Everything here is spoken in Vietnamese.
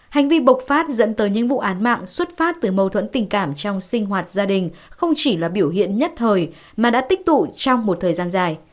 hành vi bộc phát dẫn tới những vụ án mạng xuất phát từ mâu thuẫn tình cảm trong sinh hoạt gia đình không chỉ là biểu hiện nhất thời mà đã tích tụ trong một thời gian dài